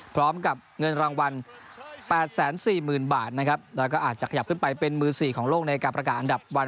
พร้อมกับเงินรางวัล๘๔๐๐๐บาทนะครับแล้วก็อาจจะขยับขึ้นไปเป็นมือ๔ของโลกในการประกาศอันดับวัน